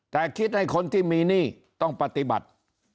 แต่คิดให้คนที่มีหนี้ต้องปฏิบัติ